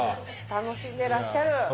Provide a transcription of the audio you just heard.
楽しんでらっしゃる。